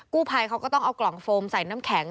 กู้ภัยเขาก็ต้องเอากล่องโฟมใส่น้ำแข็ง